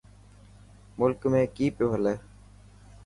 ملڪ ۾ ڪئي پيو هلي